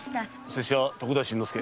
拙者は徳田新之助